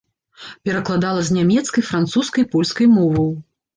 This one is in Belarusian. Перакладала з нямецкай, французскай, польскай моваў.